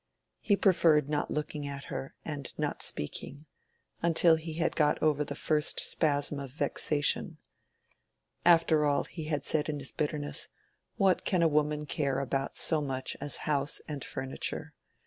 He preferred not looking at her and not speaking, until he had got over the first spasm of vexation. After all, he said in his bitterness, what can a woman care about so much as house and furniture?